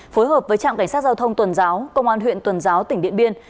phối hợp với trạm cảnh sát giao thông tuần giáo công an huyện tuần giáo tỉnh điện biên